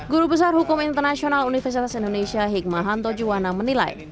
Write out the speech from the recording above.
guru besar hukum internasional universitas indonesia hikmahanto juwana menilai